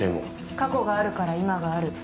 過去があるから今がある。